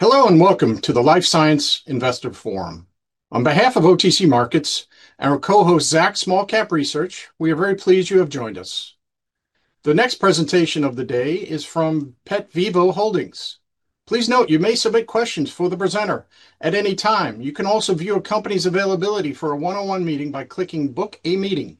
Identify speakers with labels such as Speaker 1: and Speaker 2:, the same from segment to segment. Speaker 1: Hello, welcome to the Life Sciences Virtual Investor Forum. On behalf of OTC Markets and our co-host, Zacks Small Cap Research, we are very pleased you have joined us. The next presentation of the day is from PetVivo Holdings. Please note you may submit questions for the presenter at any time. You can also view a company's availability for a one-on-one meeting by clicking Book a Meeting.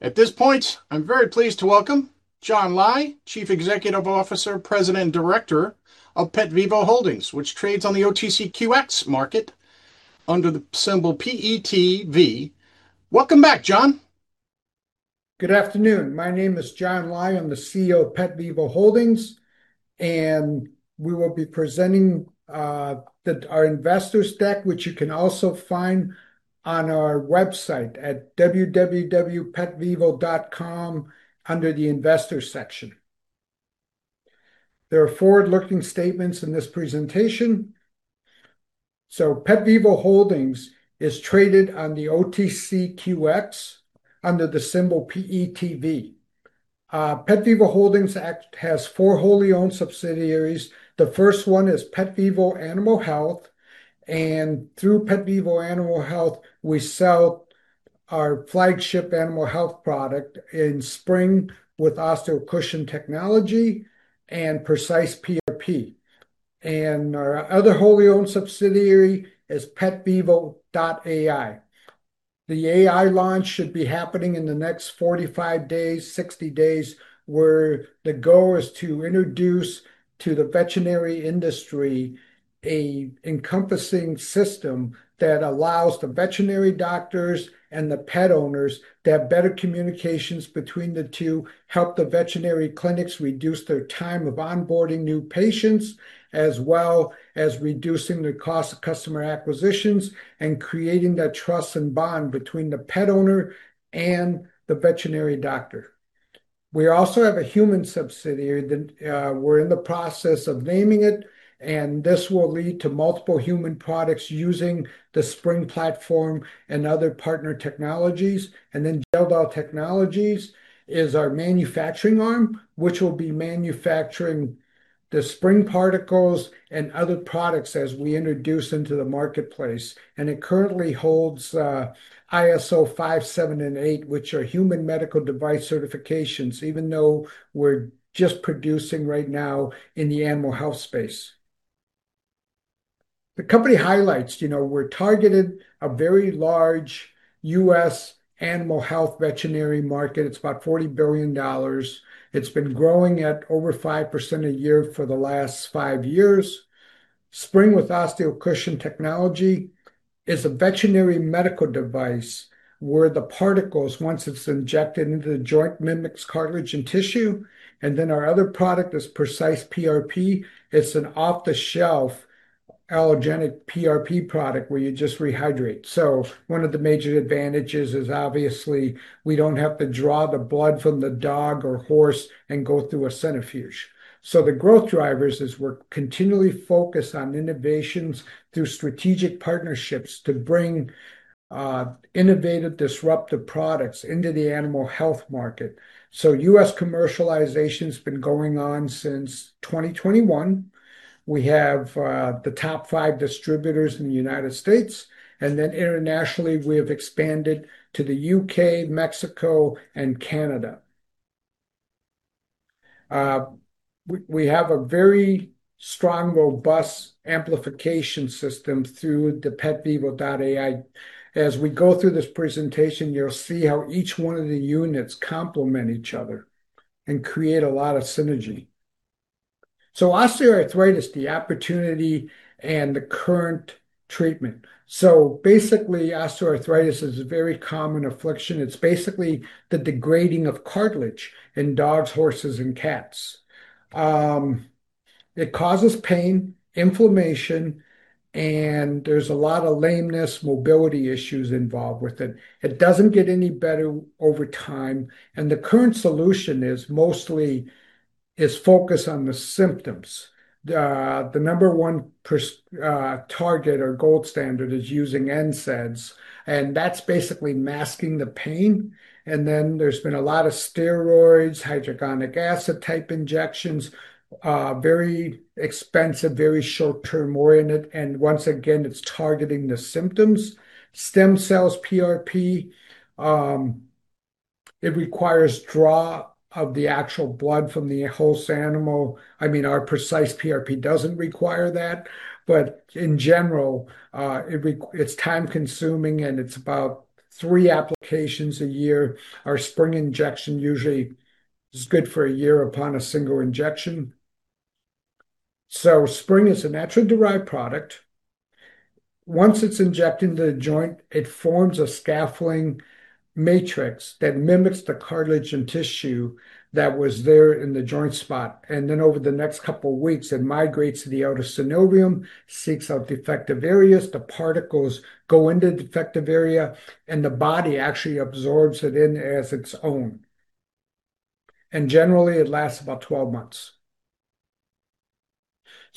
Speaker 1: At this point, I am very pleased to welcome John Lai, Chief Executive Officer, President, and Director of PetVivo Holdings, which trades on the OTCQX market under the symbol PETV. Welcome back, John.
Speaker 2: Good afternoon. My name is John Lai. I'm the CEO of PetVivo Holdings. We will be presenting our investors deck, which you can also find on our website at www.petvivo.com under the Investors section. There are forward-looking statements in this presentation. PetVivo Holdings is traded on the OTCQX under the symbol PETV. PetVivo Holdings has four wholly owned subsidiaries. The first one is PetVivo Animal Health. Through PetVivo Animal Health, we sell our flagship animal health product in Spryng with OsteoCushion Technology and PrecisePRP. Our other wholly owned subsidiary is PetVivo.ai. The AI launch should be happening in the next 45 days, 60 days, where the goal is to introduce to the veterinary industry an encompassing system that allows the veterinary doctors and the pet owners to have better communications between the two, help the veterinary clinics reduce their time of onboarding new patients, as well as reducing the cost of customer acquisitions, creating that trust and bond between the pet owner and the veterinary doctor. We also have a human subsidiary that we're in the process of naming it. This will lead to multiple human products using the Spryng platform and other partner technologies. Gel-Del Technologies is our manufacturing arm, which will be manufacturing the Spryng particles and other products as we introduce into the marketplace. It currently holds ISO 5, 7, and 8, which are human medical device certifications, even though we're just producing right now in the animal health space. The company highlights. We're targeted a very large U.S. animal health veterinary market. It's about $40 billion. It's been growing at over 5% a year for the last five years. Spryng with OsteoCushion Technology is a veterinary medical device where the particles, once it's injected into the joint, mimics cartilage and tissue. Our other product is PrecisePRP. It's an off-the-shelf allogeneic PRP product where you just rehydrate. One of the major advantages is obviously we don't have to draw the blood from the dog or horse and go through a centrifuge. The growth drivers is we're continually focused on innovations through strategic partnerships to bring innovative, disruptive products into the animal health market. U.S. commercialization's been going on since 2021. We have the top five distributors in the United States. Then internationally, we have expanded to the U.K., Mexico, and Canada. We have a very strong, robust amplification system through the PetVivo AI. As we go through this presentation, you'll see how each one of the units complement each other and create a lot of synergy. Basically, osteoarthritis, the opportunity, and the current treatment. Basically, osteoarthritis is a very common affliction. It's basically the degrading of cartilage in dogs, horses, and cats. It causes pain, inflammation, and there's a lot of lameness, mobility issues involved with it. It doesn't get any better over time, and the current solution is mostly focused on the symptoms. The number one target or gold standard is using NSAIDs, and that's basically masking the pain. Then there's been a lot of steroids, hyaluronic acid-type injections, very expensive, very short-term oriented, and once again, it's targeting the symptoms. Stem cells, PRP, it requires draw of the actual blood from the host animal. Our PrecisePRP doesn't require that, but in general, it's time-consuming and it's about three applications a year. Our Spryng injection usually is good for a year upon a single injection. Spryng is a naturally-derived product. Once it's injected into the joint, it forms a scaffolding matrix that mimics the cartilage and tissue that was there in the joint spot. Then over the next couple of weeks, it migrates to the outer synovium, seeks out defective areas. The particles go into the defective area, and the body actually absorbs it in as its own. Generally, it lasts about 12 months.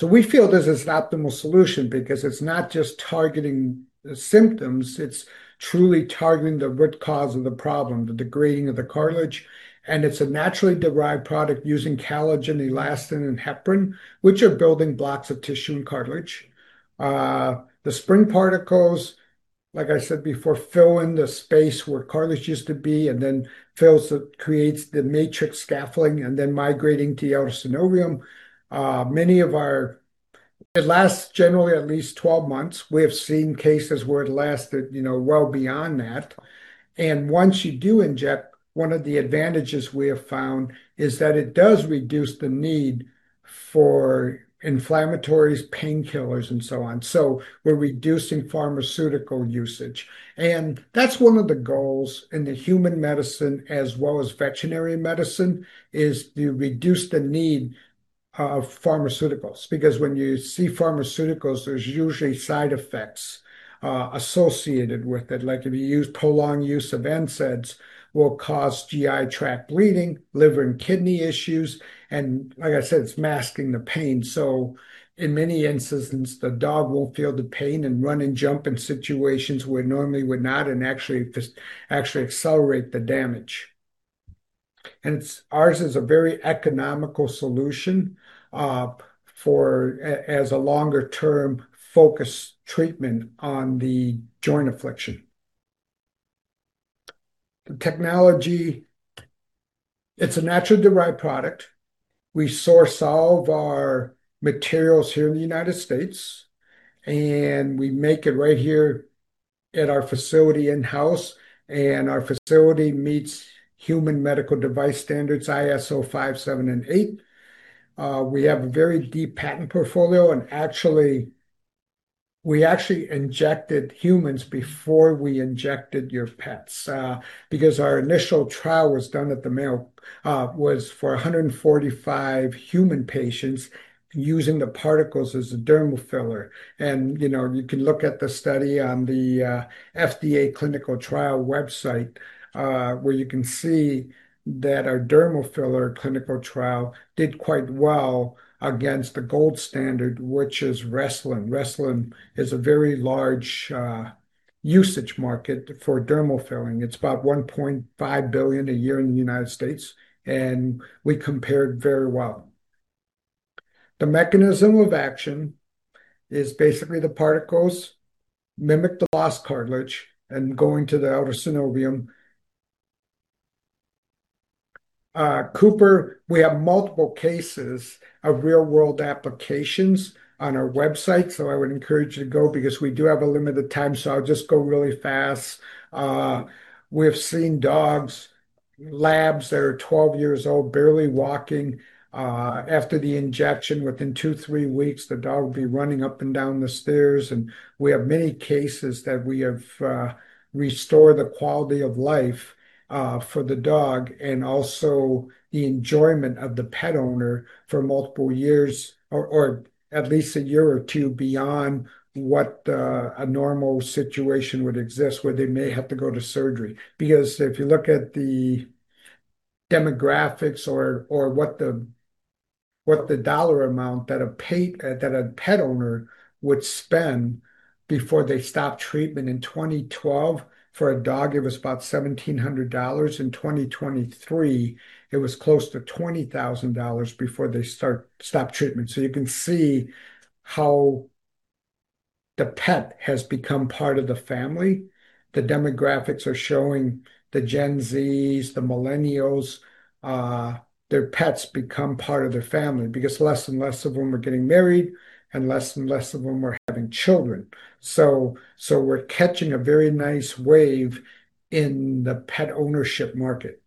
Speaker 2: We feel this is an optimal solution because it's not just targeting the symptoms, it's truly targeting the root cause of the problem, the degrading of the cartilage, and it's a naturally-derived product using collagen, elastin, and heparin, which are building blocks of tissue and cartilage. The Spryng particles, like I said before, fill in the space where cartilage used to be, and then fills, it creates the matrix scaffolding, and then migrating to the outer synovium. It lasts generally at least 12 months. We have seen cases where it lasted well beyond that. Once you do inject, one of the advantages we have found is that it does reduce the need for inflammatories, painkillers, and so on. We're reducing pharmaceutical usage. That's one of the goals in the human medicine as well as veterinary medicine is to reduce the need of pharmaceuticals. When you see pharmaceuticals, there's usually side effects associated with it. Like if you use prolonged use of NSAIDs, will cause GI tract bleeding, liver and kidney issues, and like I said, it's masking the pain. In many instances, the dog won't feel the pain and run and jump in situations where it normally would not and actually accelerate the damage. Ours is a very economical solution as a longer-term focus treatment on the joint affliction. Technology, it's a naturally-derived product. We source all of our materials here in the United States, and we make it right here at our facility in-house, and our facility meets human medical device standards, ISO 5, 7, and 8. We have a very deep patent portfolio, and we actually injected humans before we injected your pets. Our initial trial was for 145 human patients using the particles as a dermal filler. You can look at the study on the FDA clinical trial website, where you can see that our dermal filler clinical trial did quite well against the gold standard, which is Restylane. Restylane is a very large usage market for dermal filling. It's about $1.5 billion a year in the United States, and we compared very well. The mechanism of action is basically the particles mimic the lost cartilage and going to the outer synovium. Cooper, we have multiple cases of real-world applications on our website, so I would encourage you to go because we do have a limited time, so I'll just go really fast. We have seen dogs, labs that are 12 years old, barely walking. After the injection, within two, three weeks, the dog will be running up and down the stairs, and we have many cases that we have restored the quality of life for the dog and also the enjoyment of the pet owner for multiple years or at least a year or two beyond what a normal situation would exist where they may have to go to surgery. If you look at the demographics or what the dollar amount that a pet owner would spend before they stop treatment. In 2012 for a dog, it was about $1,700. In 2023, it was close to $20,000 before they stop treatment. So you can see how the pet has become part of the family. The demographics are showing the Gen Zs, the Millennials, their pets become part of their family because less and less of them are getting married and less and less of them are having children. So we're catching a very nice wave in the pet ownership market.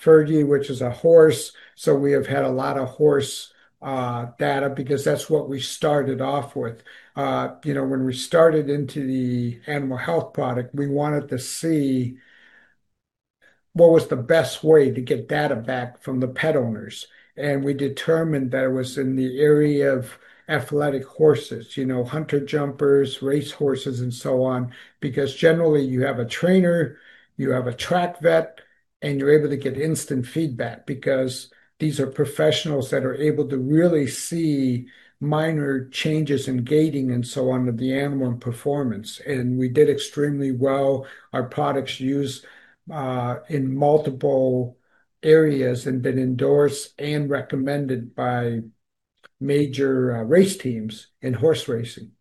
Speaker 2: Fergie, which is a horse, so we have had a lot of horse data because that's what we started off with. When we started into the animal health product, we wanted to see what was the best way to get data back from the pet owners, and we determined that it was in the area of athletic horses. Hunter jumpers, racehorses, and so on, because generally you have a trainer, you have a track vet, and you're able to get instant feedback because these are professionals that are able to really see minor changes in gaiting and so on of the animal and performance. We did extremely well. Our products used in multiple areas and been endorsed and recommended by major race teams in horse racing.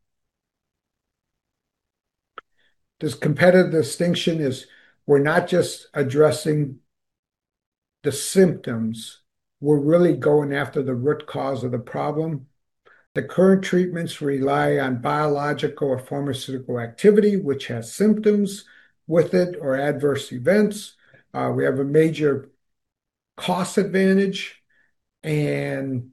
Speaker 2: This competitive distinction is we're not just addressing the symptoms, we're really going after the root cause of the problem. The current treatments rely on biological or pharmaceutical activity, which has symptoms with it or adverse events. We have a major cost advantage, and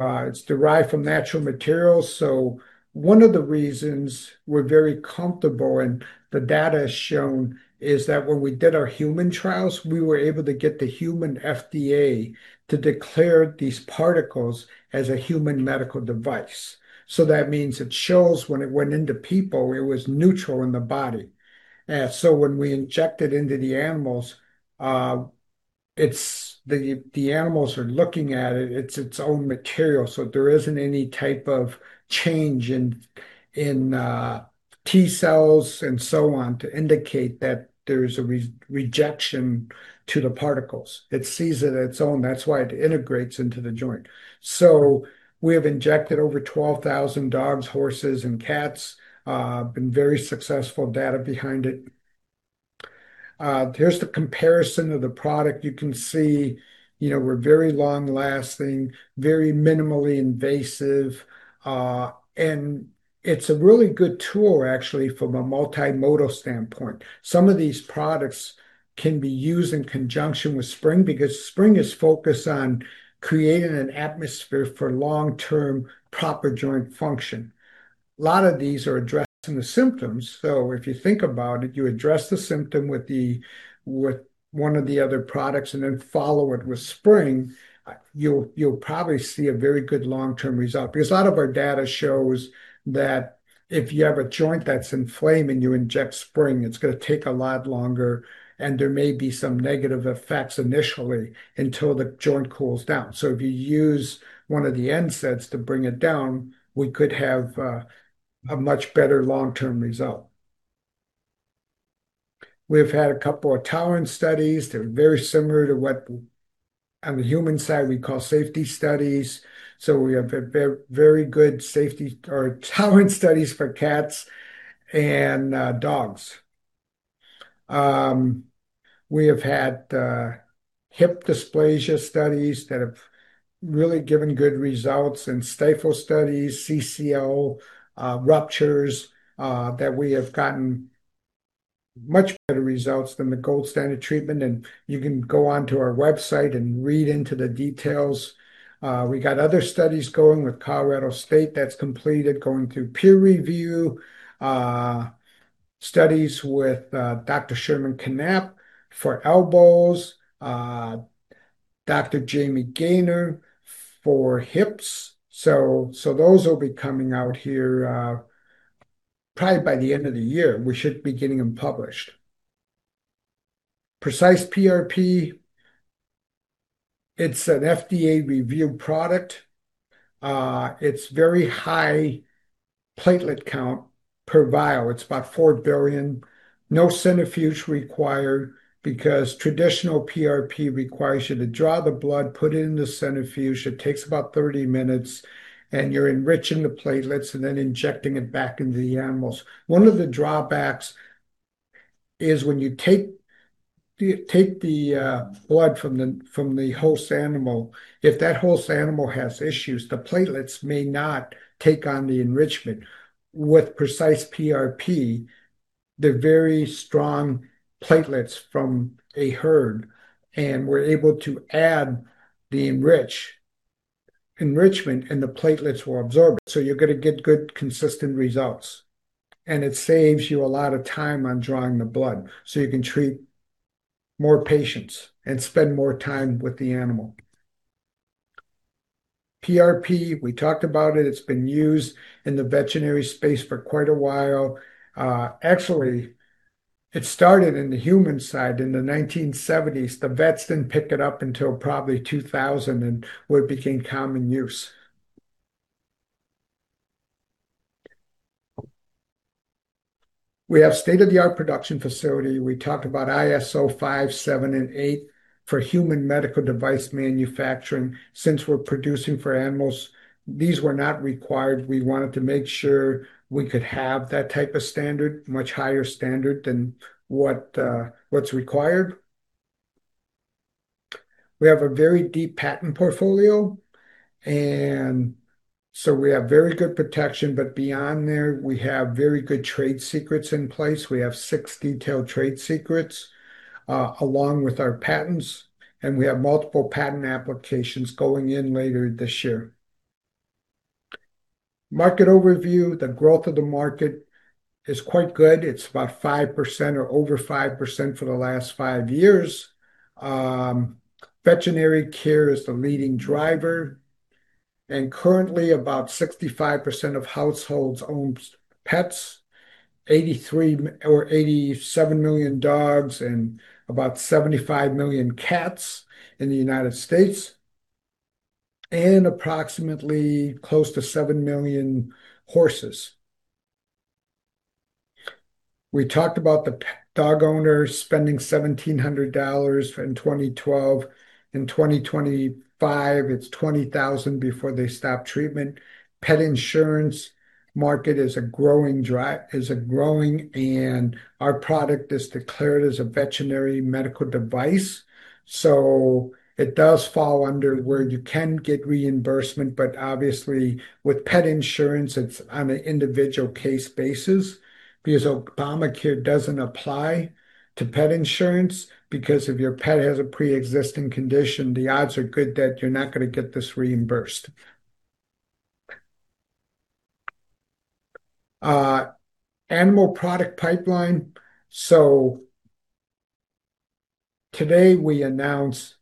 Speaker 2: it's derived from natural materials. So one of the reasons we're very comfortable, and the data has shown, is that when we did our human trials, we were able to get the human FDA to declare these particles as a human medical device. So that means it shows when it went into people, it was neutral in the body. When we inject it into the animals, the animals are looking at it's its own material, there isn't any type of change in T cells and so on to indicate that there's a rejection to the particles. It sees it its own. That's why it integrates into the joint. We have injected over 12,000 dogs, horses, and cats. Been very successful, data behind it. Here's the comparison of the product. You can see we're very long-lasting, very minimally invasive, and it's a really good tool actually from a multimodal standpoint. Some of these products can be used in conjunction with Spryng because Spryng is focused on creating an atmosphere for long-term proper joint function. A lot of these are addressing the symptoms. If you think about it, you address the symptom with one of the other products and then follow it with Spryng, you'll probably see a very good long-term result. A lot of our data shows that if you have a joint that's inflamed and you inject Spryng, it's going to take a lot longer, and there may be some negative effects initially until the joint cools down. If you use one of the NSAIDs to bring it down, we could have a much better long-term result. We've had a couple of tolerance studies. They're very similar to what, on the human side, we call safety studies. We have very good tolerance studies for cats and dogs. We have had hip dysplasia studies that have really given good results and stifle studies, CCL ruptures that we have gotten much better results than the gold standard treatment. You can go onto our website and read into the details. We got other studies going with Colorado State that's completed going through peer review. Studies with Dr. Sherman Canapp for elbows, Dr. Jamie Gainer for hips. Those will be coming out here probably by the end of the year. We should be getting them published. PrecisePRP, it's an FDA-reviewed product. It's very high platelet count per vial. It's about 4 billion. No centrifuge required because traditional PRP requires you to draw the blood, put it in the centrifuge. It takes about 30 minutes, you're enriching the platelets and then injecting it back into the animals. One of the drawbacks is when you take the blood from the host animal, if that host animal has issues, the platelets may not take on the enrichment. With PrecisePRP, they're very strong platelets from a herd, and we're able to add the enrichment, and the platelets will absorb it. You're going to get good, consistent results. It saves you a lot of time on drawing the blood, you can treat more patients and spend more time with the animal. PRP, we talked about it. It's been used in the veterinary space for quite a while. Actually, it started in the human side in the 1970s. The vets didn't pick it up until probably 2000 where it became common use. We have state-of-the-art production facility. We talked about ISO 5, 7, and 8 for human medical device manufacturing. Since we're producing for animals, these were not required. We wanted to make sure we could have that type of standard, much higher standard than what's required. We have a very deep patent portfolio. We have very good protection, but beyond there, we have very good trade secrets in place. We have six detailed trade secrets along with our patents, and we have multiple patent applications going in later this year. Market overview. The growth of the market is quite good. It's about 5% or over 5% for the last five years. Veterinary care is the leading driver, and currently, about 65% of households own pets, 83 or 87 million dogs, and about 75 million cats in the U.S., and approximately close to 7 million horses. We talked about the dog owners spending $1,700 in 2012. In 2025, it's $20,000 before they stop treatment. Pet insurance market is growing, and our product is declared as a veterinary medical device, so it does fall under where you can get reimbursement. Obviously with pet insurance, it's on an individual case basis because Obamacare doesn't apply to pet insurance because if your pet has a preexisting condition, the odds are good that you're not going to get this reimbursed. Animal product pipeline. Today, we announce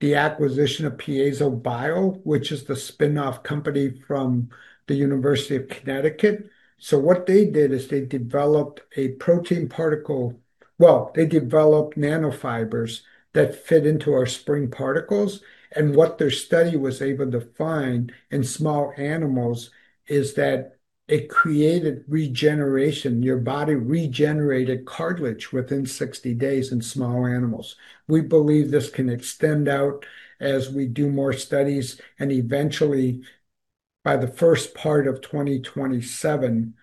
Speaker 2: the acquisition of PiezoBio, which is the spinoff company from the University of Connecticut. What they did is they developed nanofibers that fit into our Spryng particles, and what their study was able to find in small animals is that it created regeneration. Your body regenerated cartilage within 60 days in small animals. We believe this can extend out as we do more studies and eventually by the first part of 2027,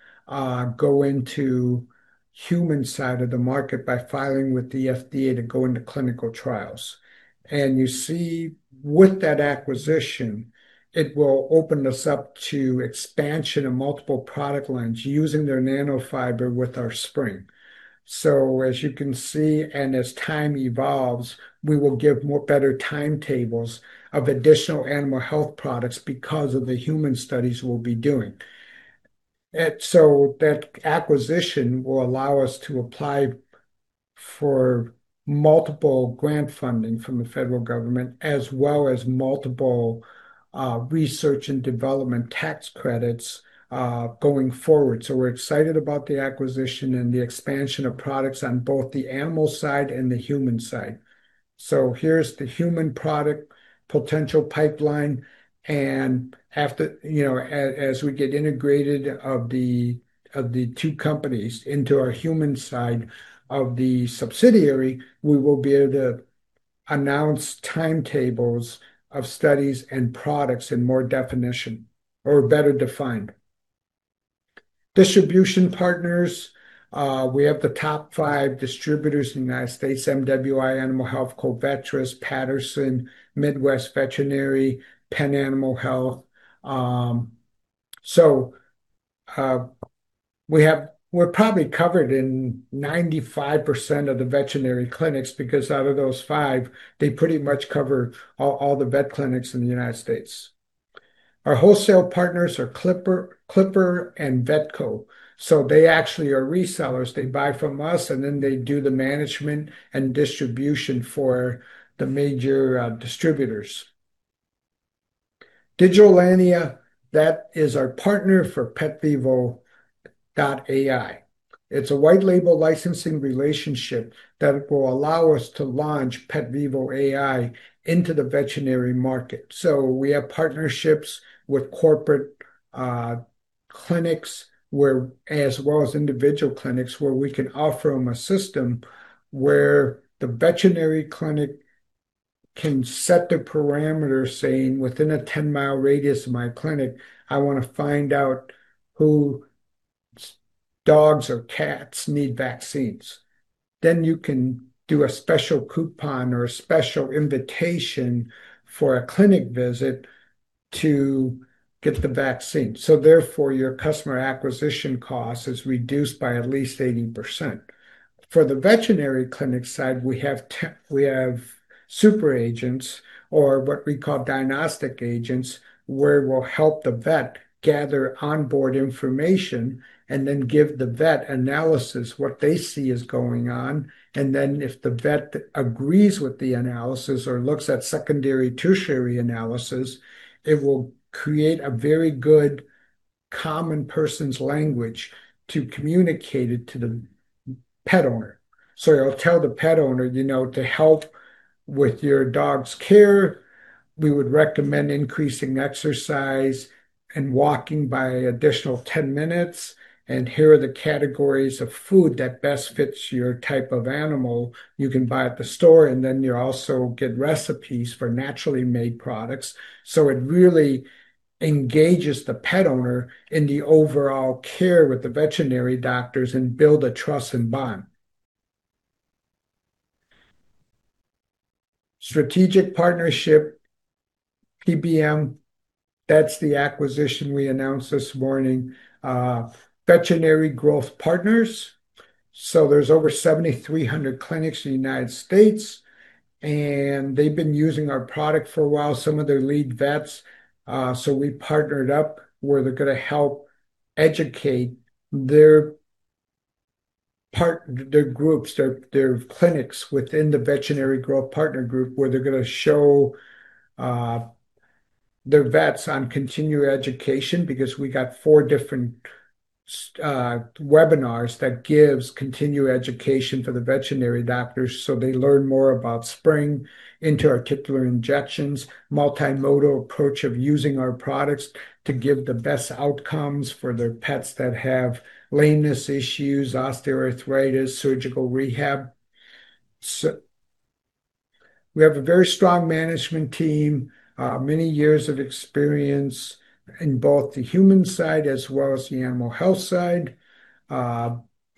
Speaker 2: go into human side of the market by filing with the FDA to go into clinical trials. You see with that acquisition, it will open us up to expansion of multiple product lines using their nanofiber with our Spryng. As you can see, and as time evolves, we will give more better timetables of additional animal health products because of the human studies we'll be doing. That acquisition will allow us to apply for multiple grant funding from the federal government, as well as multiple research and development tax credits going forward. We're excited about the acquisition and the expansion of products on both the animal side and the human side. Here's the human product potential pipeline, and as we get integrated of the two companies into our human side of the subsidiary, we will be able to announce timetables of studies and products in more definition or better defined. Distribution partners. We have the top five distributors in the U.S., MWI Animal Health, Covetrus, Patterson, Midwest Veterinary, Penn Animal Health. We're probably covered in 95% of the veterinary clinics because out of those five, they pretty much cover all the vet clinics in the U.S. Our wholesale partners are Clipper and Vetco. They actually are resellers. They buy from us, and then they do the management and distribution for the major distributors. Digital Landia Holding Corp., that is our partner for PetVivo AI, Inc. It's a white label licensing relationship that will allow us to launch PetVivo AI, Inc. into the veterinary market. We have partnerships with corporate clinics, as well as individual clinics where we can offer them a system where the veterinary clinic can set the parameters saying, "Within a 10-mile radius of my clinic, I want to find out who dogs or cats need vaccines." Then you can do a special coupon or a special invitation for a clinic visit to get the vaccine. Therefore, your customer acquisition cost is reduced by at least 80%. For the veterinary clinic side, we have superagents or what we call diagnostic agents, where we will help the vet gather onboard information and then give the vet analysis, what they see is going on. Then if the vet agrees with the analysis or looks at secondary, tertiary analysis, it will create a very good common person's language to communicate it to the pet owner. It will tell the pet owner, "To help with your dog's care, we would recommend increasing exercise and walking by additional 10 minutes. Here are the categories of food that best fits your type of animal you can buy at the store." Then you also get recipes for naturally made products. It really engages the pet owner in the overall care with the veterinary doctors and build a trust and bond. Strategic partnership, PBM, that is the acquisition we announced this morning. Veterinary Growth Partners. There are over 7,300 clinics in the U.S., and they have been using our product for a while, some of their lead vets. We partnered up where they are going to help educate their groups, their clinics within the Veterinary Growth Partners group, where they are going to show their vets on continuing education because we got four different webinars that gives continuing education for the veterinary doctors so they learn more about Spryng, intra-articular injections, multimodal approach of using our products to give the best outcomes for their pets that have lameness issues, osteoarthritis, surgical rehab. We have a very strong management team, many years of experience in both the human side as well as the animal health side.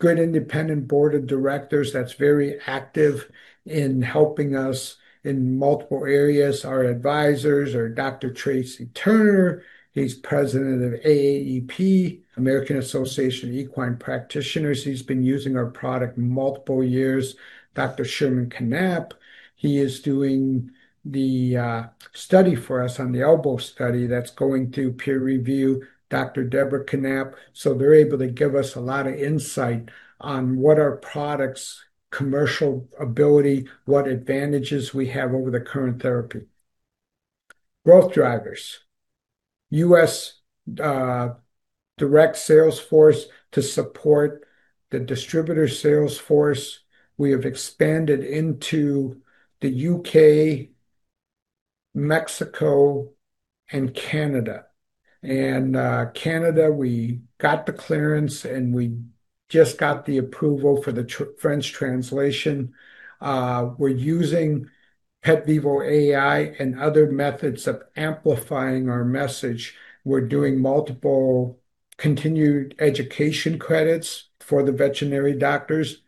Speaker 2: Good independent board of directors that is very active in helping us in multiple areas. Our advisors are Dr. Tracy Turner. He is president of AAEP, American Association of Equine Practitioners. He has been using our product multiple years. Dr. Sherman Canapp, he is doing the study for us on the elbow study that is going through peer review. Dr. Debra Canapp. They are able to give us a lot of insight on what our product's commercial ability, what advantages we have over the current therapy. Growth drivers. U.S. direct sales force to support the distributor sales force. We have expanded into the U.K., Mexico, and Canada. In Canada, we got the clearance and we just got the approval for the French translation. We are using PetVivo AI and other methods of amplifying our message. We are doing multiple continued education credits for the veterinary doctors.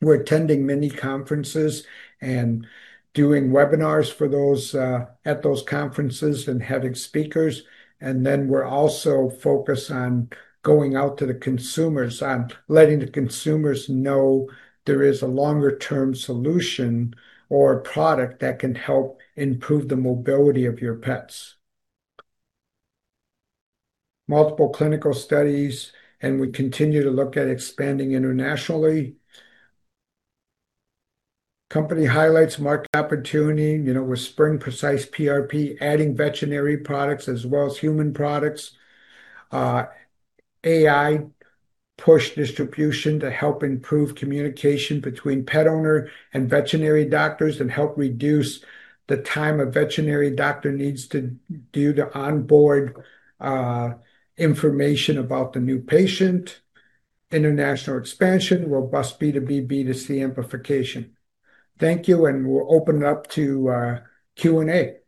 Speaker 2: We are attending many conferences and doing webinars at those conferences and having speakers. Then we are also focused on going out to the consumers, on letting the consumers know there is a longer-term solution or a product that can help improve the mobility of your pets. Multiple clinical studies, and we continue to look at expanding internationally. Company highlights, market opportunity. With Spryng PrecisePRP, adding veterinary products as well as human products. AI push distribution to help improve communication between pet owner and veterinary doctors and help reduce the time a veterinary doctor needs to do to onboard information about the new patient. International expansion, robust B2B, B2C amplification. Thank you, and we'll open it up to Q&A.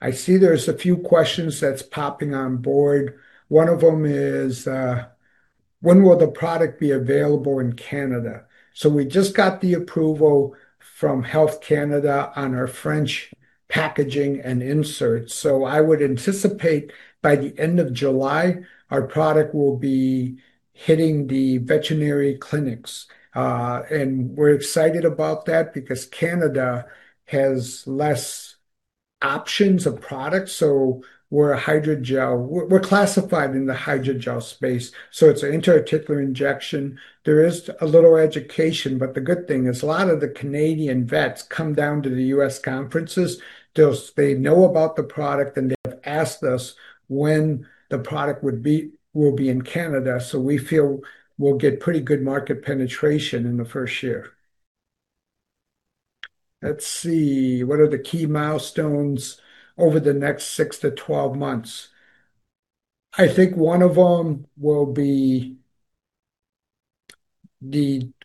Speaker 2: I see there's a few questions that's popping on board. One of them is, when will the product be available in Canada? We just got the approval from Health Canada on our French packaging and inserts. I would anticipate by the end of July, our product will be hitting the veterinary clinics. And we're excited about that because Canada has less options of products. We're a hydrogel. We're classified in the hydrogel space, so it's an intra-articular injection. There is a little education, but the good thing is a lot of the Canadian vets come down to the U.S. conferences. They know about the product, and they've asked us when the product will be in Canada. We feel we'll get pretty good market penetration in the first year. Let's see. What are the key milestones over the next six to 12 months? I think one of them will be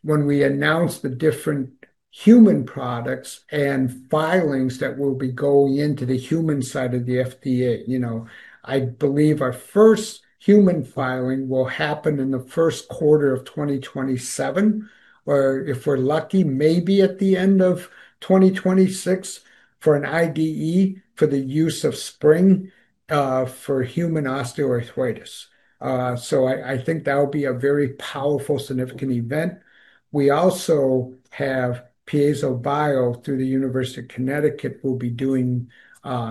Speaker 2: when we announce the different human products and filings that will be going into the human side of the FDA. I believe our first human filing will happen in the first quarter of 2027. Or if we're lucky, maybe at the end of 2026 for an IDE for the use of Spryng for human osteoarthritis. I think that'll be a very powerful, significant event. We also have PiezoBio through the University of Connecticut will be doing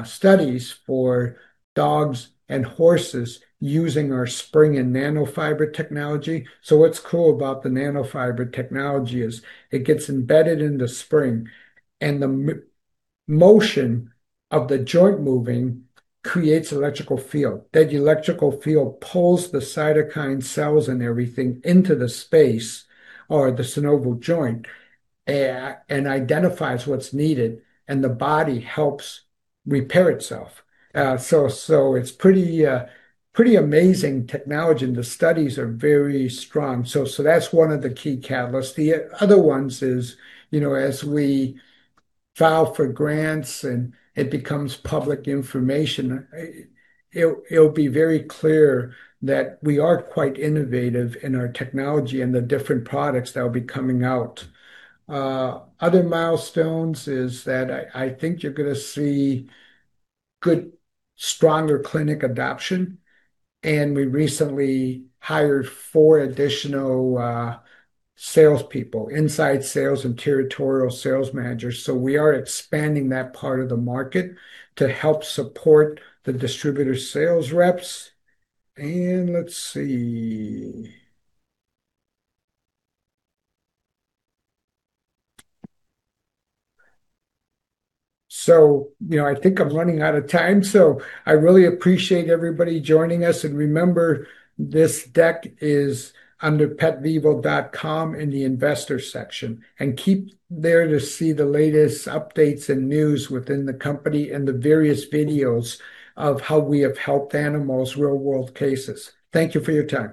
Speaker 2: studies for dogs and horses using our Spryng and nanofiber technology. What's cool about the nanofiber technology is it gets embedded in the Spryng, and the motion of the joint moving creates electrical field. That electrical field pulls the cytokine cells and everything into the space or the synovial joint and identifies what's needed, and the body helps repair itself. It's pretty amazing technology, and the studies are very strong. That's one of the key catalysts. The other ones is, as we file for grants and it becomes public information, it'll be very clear that we are quite innovative in our technology and the different products that will be coming out. Other milestones is that I think you're going to see good, stronger clinic adoption, and we recently hired four additional salespeople, inside sales and territorial sales managers. Let's see. I think I'm running out of time, so I really appreciate everybody joining us. Remember, this deck is under petvivo.com in the investor section. And keep there to see the latest updates and news within the company and the various videos of how we have helped animals, real-world cases. Thank you for your time.